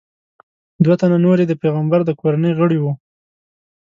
دوه تنه نور یې د پیغمبر د کورنۍ غړي وو.